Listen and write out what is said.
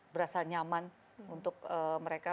berasa nyaman untuk mereka